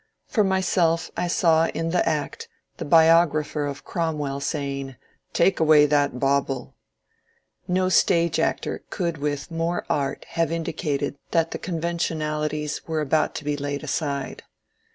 For myself I saw in the act the biographer of Cromwell saying, ^' Take away that bauble I " No stage actor could with more art have indicated that the conventionalities were about to be laid aside.